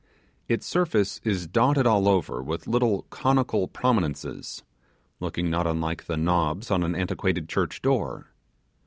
Its surface is dotted all over with little conical prominences, looking not unlike the knobs, on an antiquated church door.